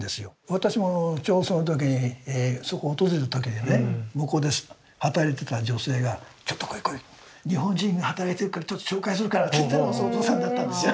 私もちょうどその時にそこ訪れた時にね向こうで働いてた女性が「ちょっと来い来い。日本人が働いてるからちょっと紹介するから」って言ったのが外尾さんだったんですよ。